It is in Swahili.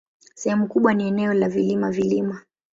Sehemu kubwa ni eneo la vilima-vilima.